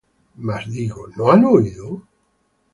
Mas digo: ¿No han oído?